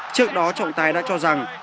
trước đó trọng tài đã cho rằng